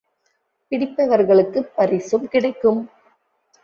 பிடிப்பவர்களுக்குப் பரிசும் கிடைக்கும்.